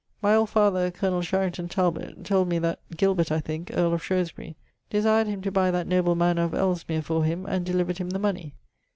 My old father, Colonel Sharington Talbot[LXXII.], told me that (Gilbert, I thinke), earle of Shrewesbury, desired him to buy that noble mannour of Ellesmer for him, and delivered him the money.